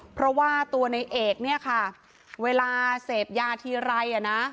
เพราะว่าตัวในเอกเนี่ยค่ะเวลาเสพยาทีไรอ่ะนะ